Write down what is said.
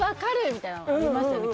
みたいなのありましたよね